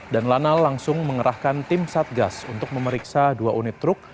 dan lanal langsung mengerahkan tim satgas untuk memeriksa dua unit truk